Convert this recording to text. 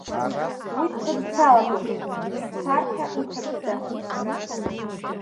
Уи дкыдцалатәуп, ԥсцарҭа иҭатәӡам.